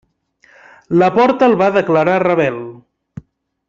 La Porta el va declarar rebel.